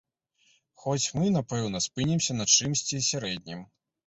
Хоць мы, напэўна, спынімся на чымсьці сярэднім.